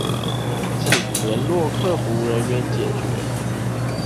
請聯絡客服人員解決